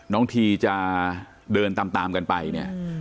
ทีจะเดินตามกันไปเนี่ย